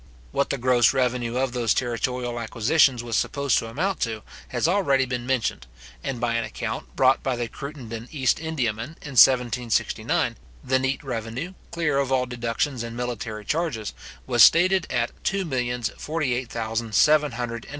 What the gross revenue of those territorial acquisitions was supposed to amount to, has already been mentioned; and by an account brought by the Cruttenden East Indiaman in 1769, the neat revenue, clear of all deductions and military charges, was stated at two millions forty eight thousand seven hundred and forty seven pounds.